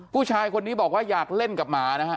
ผู้ชายคนนี้บอกว่าอยากเล่นกับหมานะฮะ